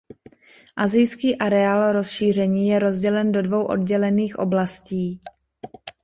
Asijský areál rozšíření je rozdělen do dvou oddělených oblastí.